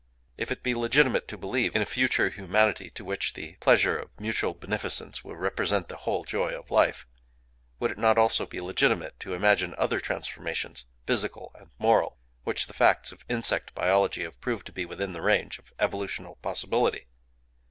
If it be legitimate to believe in a future humanity to which the pleasure of mutual beneficence will represent the whole joy of life, would it not also be legitimate to imagine other transformations, physical and moral, which the facts of insect biology have proved to be within the range of evolutional possibility?...